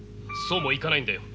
そうもいかないんだよ。